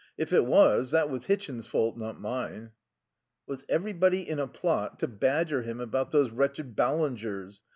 If it was, that was Hitchin's fault, not mine." Was everybody in a plot to badger him about those wretched Ballingers?